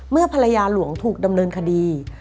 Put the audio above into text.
เมื่อภรรยาหลวงถูกดำเนินคดี